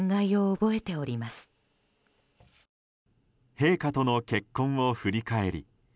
陛下との結婚を振り返り